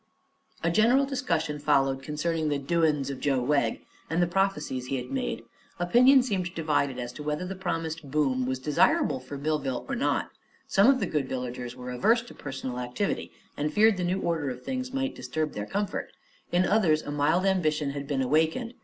A general discussion followed concerning the "doin's of Joe Wegg" and the prophecies he had made. Opinion seemed divided as to whether the promised "boom" was desirable for Millville or not. Some of the good villagers were averse to personal activity and feared the new order of things might disturb their comfort; in others a mild ambition had been awakened.